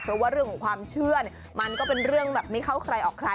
เพราะว่าเรื่องของความเชื่อเนี่ยมันก็เป็นเรื่องแบบไม่เข้าใครออกใคร